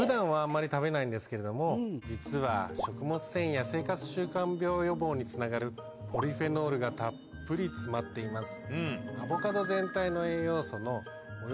実は食物繊維や生活習慣病予防につながるポリフェノールがたっぷり詰まっています。